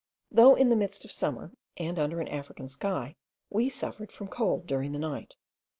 Though in the midst of summer, and under an African sky, we suffered from cold during the night.